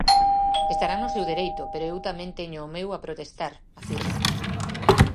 Estarán no seu dereito, pero eu tamén teño o meu a protestar, afirma.